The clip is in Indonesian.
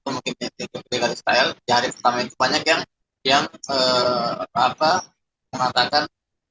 mungkin yang terdekat israel jahat yang pertama itu banyak yang mengatakan